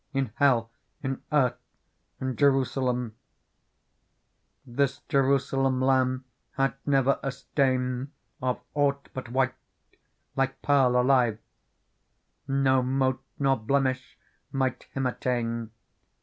In hell^ in earth and Jerusalem. " This Jerusalem Lamb had never ajitain Of aught Biirvg1rttcrWcepegrt >^e ; No mote nor blemish might riim attain.